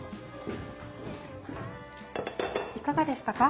いかがでしたか？